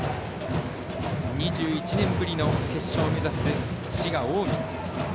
２１年ぶりの決勝を目指す滋賀・近江。